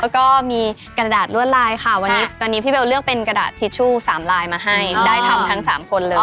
แล้วก็มีกระดาษลวดลายค่ะวันนี้พี่เบลเลือกเป็นกระดาษทิชชู่สามลายมาให้ได้ทำทั้ง๓คนเลย